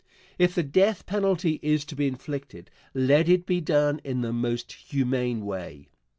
If the death penalty is to be inflicted, let it be done in the most humane way.